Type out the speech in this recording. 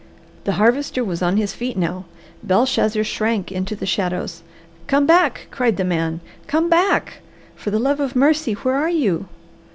The Harvester was on his feet now. Belshazzar shrank into the shadows. "Come back!" cried the man. "Come back! For the love of mercy, where are you?"